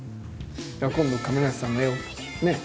今度亀梨さんの絵をね